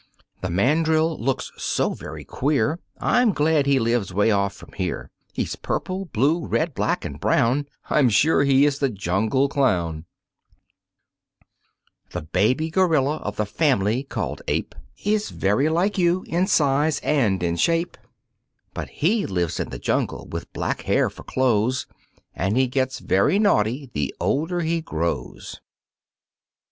The mandrill looks so very queer I'm glad he lives way off from here; He's purple, blue, red, black and brown, I'm sure he is the jungle clown. The baby gorilla, of the family called Ape, Is very like you in size and in shape, But he lives in the jungle with black hair for clothes And he gets very naughty the older he grows.